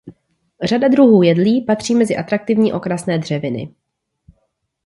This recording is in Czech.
Řada druhů jedlí patří mezi atraktivní okrasné dřeviny.